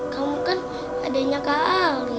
kamu kan adanya kak ali